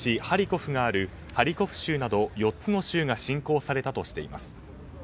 ハリコフがあるハリコフ州など４つの州が侵攻されたとしています。